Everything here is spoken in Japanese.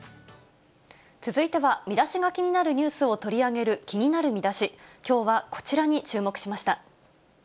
続いてはミダシが気になるニュースを取り上げる、気になるミダシ、きょうはこちらに注目しま